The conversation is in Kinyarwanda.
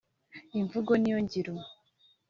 imvugo niyo ngiro